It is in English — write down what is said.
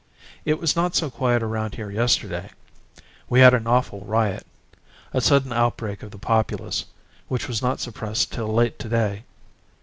It was not so quiet around here yesterday. We had an awful riot a sudden outbreak of the populace, which was not suppressed till late today.